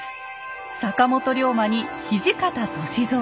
坂本龍馬に土方歳三。